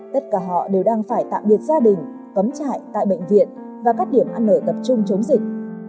tất cả họ đều đang phải tạm biệt gia đình cấm trại tại bệnh viện và các điểm ăn ở tập trung chống dịch